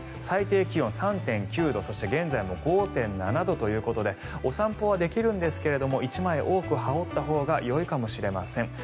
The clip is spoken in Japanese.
最低気温、３．９度そして現在も５．７度ということでお散歩はできるんですが１枚多く羽織ったほうがよいかもしれません。